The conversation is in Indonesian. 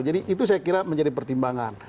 jadi itu saya kira menjadi pertimbangan